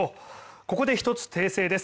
ここで１つ訂正です。